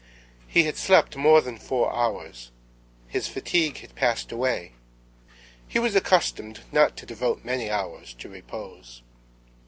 He had slept more than four hours. His fatigue had passed away. He was accustomed not to devote many hours to repose.